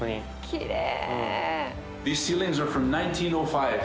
きれい。